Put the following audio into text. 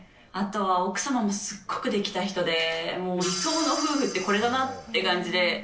あとは奥様もすっごくできた人で、もう理想の夫婦ってこれだなって感じで。